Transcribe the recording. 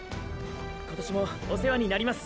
今年もお世話になります。